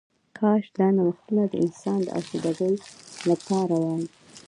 کاش دا نوښتونه د انسان د آسوده ګۍ لپاره وای